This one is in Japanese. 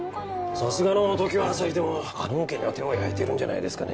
さすがの常葉朝陽でもあのオケには手を焼いてるんじゃないですかね。